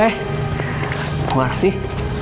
eh luar sih